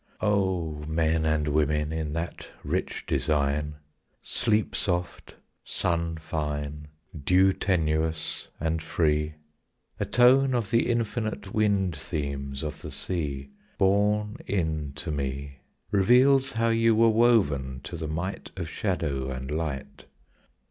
O men and women in that rich design, Sleep soft, sun fine, Dew tenuous and free, A tone of the infinite wind themes of the sea, Borne in to me, Reveals how you were woven to the might Of shadow and light.